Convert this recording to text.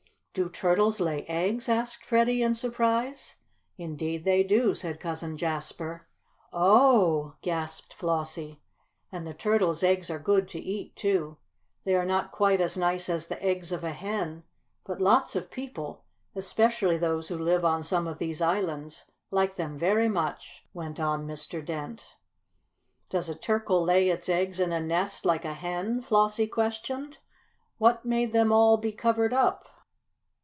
"Do turtles lay eggs?" asked Freddie in surprise. "Indeed they do," said Cousin Jasper. "O o oh!" gasped Flossie. "And the turtle's eggs are good to eat, too. They are not quite as nice as the eggs of a hen, but lots of people, especially those who live on some of these islands, like them very much," went on Mr. Dent. "Does a turkle lay its eggs in a nest like a hen?" Flossie questioned. "What made them all be covered up?"